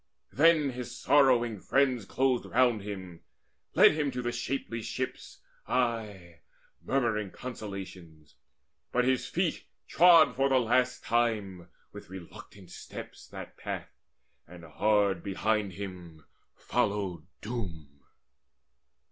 Then his sorrowing friends Closed round him, led him to the shapely ships, Aye murmuring consolations. But his feet Trod for the last time, with reluctant steps, That path; and hard behind him followed Doom.